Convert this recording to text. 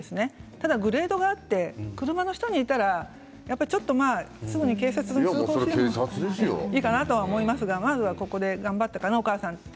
ただ、グレードがあって車の下にいたらちょっとすぐに警察に通報するという方がいいかなと思いますがまずは、ここで頑張ったかなお母さん。